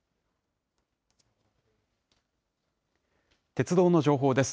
鉄道の情報です。